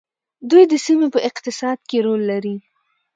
دوی د سیمې په اقتصاد کې رول لري.